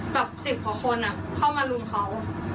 แบบสิบหัวคนเข้ามารุมเขา